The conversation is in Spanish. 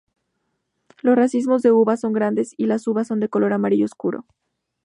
Los racimos de uvas son grandes y las uvas son de color amarillo oscuro.